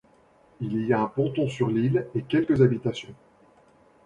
Il y a un ponton sur l'île et quelques habitations.